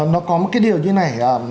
nó có một cái điều như này